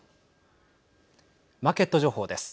マーケット情報です。